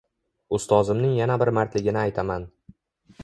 Ustozimning yana bir mardligini aytaman.